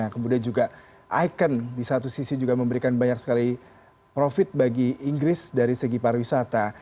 kemudian juga icon di satu sisi juga memberikan banyak sekali profit bagi inggris dari segi pariwisata